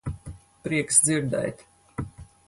Prieks dzirdēt.